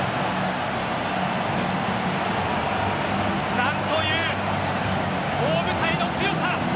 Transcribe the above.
なんという大舞台の強さ。